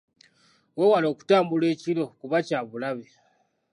Weewale okutambula ekiro kuba kya bulabe.